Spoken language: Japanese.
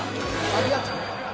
ありがとう。